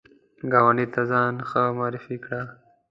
ګاونډي ته ځان ښه معرفي کړه